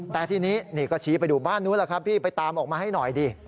แต่ทีนี้นี่ก็ชี้ไปดูบ้านนู้นแหละครับพี่ไปตามออกมาให้หน่อยดิ